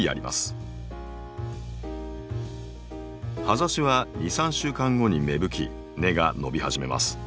葉ざしは２３週間後に芽吹き根が伸び始めます。